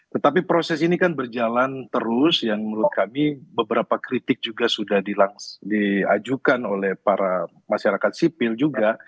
tetapi proses ini kan berjalan terus yang menurut kami beberapa kritik juga sudah diajukan oleh para masyarakat sipil juga